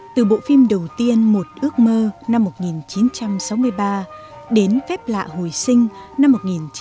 từ bộ phim đầu tiên một ước mơ năm một nghìn chín trăm sáu mươi ba đến phép lạ hồi sinh năm một nghìn chín trăm bảy mươi năm